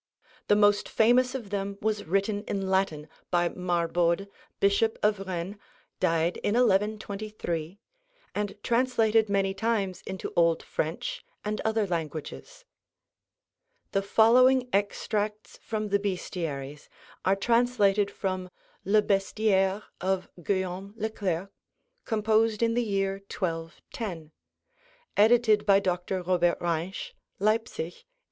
The most famous of them was written in Latin by Marbode, Bishop of Rennes (died in 1123), and translated many times into Old French and other languages. The following extracts from the Bestiaries are translated from 'Le Bestiaire' of Guillaume Le Clerc, composed in the year 1210 (edited by Dr. Robert Reinsch, Leipzig, 1890).